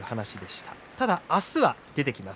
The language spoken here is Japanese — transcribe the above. ただ明日は出てきます。